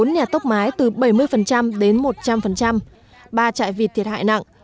bốn nhà tốc mái từ bảy mươi đến một trăm linh ba trại vịt thiệt hại nặng